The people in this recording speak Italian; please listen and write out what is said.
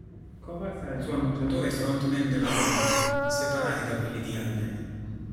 Kovacs ha il suo annunciatore e frontman della band, separati da quelli di Allen.